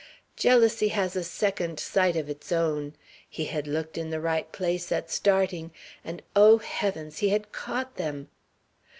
Jealousy has a Second Sight of its own. He had looked in the right place at starting and, oh heavens! he had caught them.